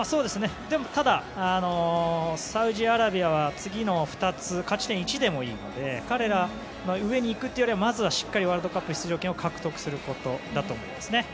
ただ、サウジアラビアは次の２つ勝ち点１でもいいので彼らの上に行くというよりはまずはしっかりワールドカップ出場権を獲得することだと思います。